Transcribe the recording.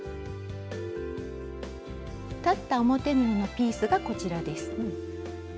裁った表布のピースがこちらです。